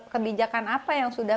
kebijakan apa yang sudah